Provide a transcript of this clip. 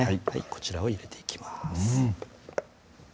こちらを入れていきます